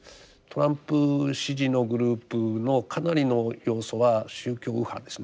トランプ支持のグループのかなりの要素は宗教右派ですね。